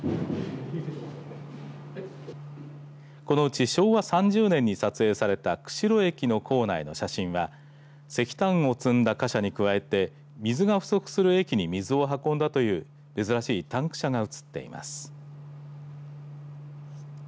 このうち昭和３０年に撮影された釧路駅の構内の写真は石炭を積んだ貨車に加えて水が不足する駅に水を運んだという珍しいタンク車が写っています。